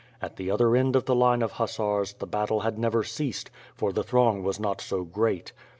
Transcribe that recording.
At the other end of the line of hussars, the battle had never ceased; for the throng was not so great.